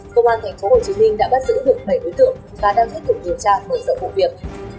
công an thành phố hồ chí minh đã bắt giữ được bảy đối tượng và đang kết thúc điều tra bởi dậu vụ việc